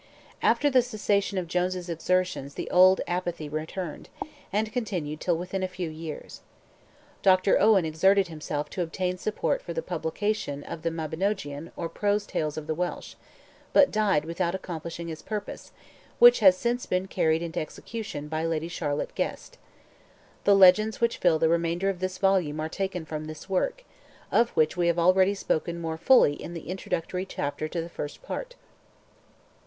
After the cessation of Jones' exertions the old apathy returned, and continued till within a few years. Dr. Owen exerted himself to obtain support for the publication of the Mabinogeon or Prose Tales of the Welsh, but died without accomplishing his purpose, which has since been carried into execution by Lady Charlotte Guest. The legends which fill the remainder of this volume are taken from this work, of which we have already spoken more fully in the introductory chapter to the First Part.